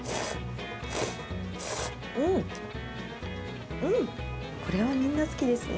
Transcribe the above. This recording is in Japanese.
うん、うん、これはみんな好きですね。